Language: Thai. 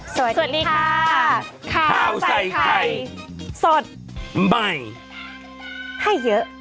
สวัสดีค่ะข้าวใส่ไข่สดใหม่ให้เยอะ